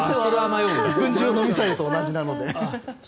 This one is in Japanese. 軍事用のミサイルと同じなので。